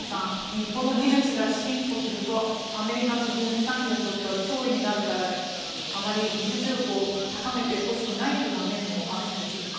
日本の技術が進歩するとアメリカの軍事産業にとっては脅威になるからあまり技術力を高めてほしくないというような面もあるんでしょうか？